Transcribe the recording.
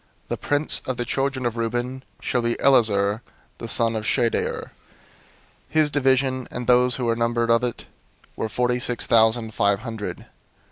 The prince of the children of Reuben shall be Elizur the son of Shedeur. 002:011 His division, and those who were numbered of it, were forty six thousand five hundred.